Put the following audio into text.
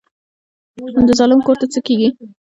د ظالم کور څه کیږي؟